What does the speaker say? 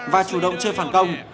và chủ động chơi phản công